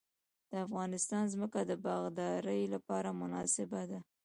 د افغانستان ځمکه د باغدارۍ لپاره مناسبه ده